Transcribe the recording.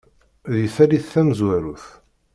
Di tallit tamezwarut.